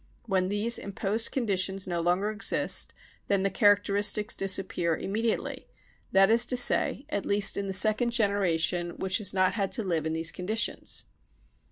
When these imposed conditions no longer exist, then the charac teristics disappear immediately, that is to say, at least in the second generation which has not had to live in these conditions.